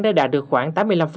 để đạt được khoảng tám mươi năm